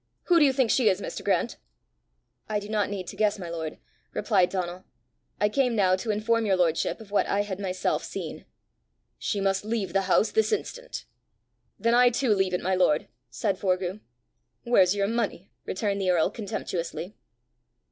"Who do you think she is, Mr. Grant?" "I do not need to guess, my lord," replied Donal. "I came now to inform your lordship of what I had myself seen." "She must leave the house this instant!" "Then I too leave it, my lord!" said Forgue. "Where's your money?" returned the earl contemptuously.